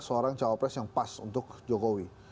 seorang cawapres yang pas untuk jokowi